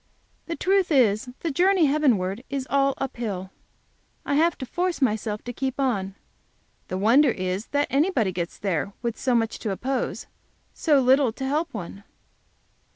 The truth is, the journey heavenward is all up hill I have to force myself to keep on. The wonder is that anybody gets there with so much to oppose so little to help one!